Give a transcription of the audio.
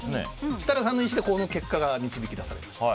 設楽さんの意思でこの結果が導き出された。